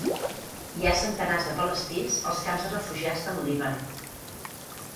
Hi ha centenars de palestins als camps de refugiats del Líban.